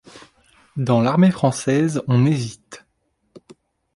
Dans l'armée française on hésite.